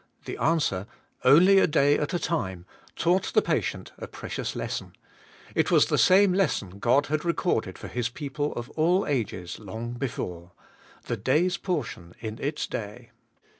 The answer, 'Only a day at a time,' taught the patient a precious lesson. It was the same lesson God had recorded for His people of all ages long before: The day's portion in its day.